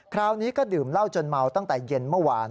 คราวนี้ก็ดื่มเหล้าจนเมาตั้งแต่เย็นเมื่อวาน